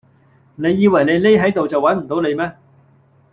你以為你匿喺度就搵唔到你咩